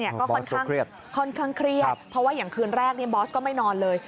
บอสก็เครียดเครียดเพราะว่าอย่างคืนแรกบอสก็ไม่นอนเลย